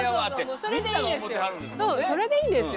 そうそれでいいんですよ。